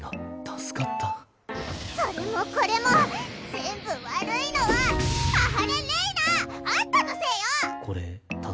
それもこれも全部悪いのは阿波連れいなあんたのせいよ！